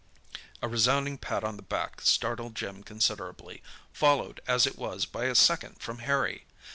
A resounding pat on the back startled Jim considerably, followed as it was by a second from Harry.